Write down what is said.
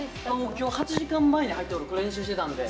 今日、８時間前に入って練習してたので。